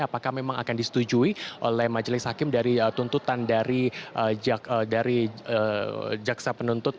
apakah memang akan disetujui oleh majelis hakim dari tuntutan dari jaksa penuntut